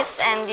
ini dan ini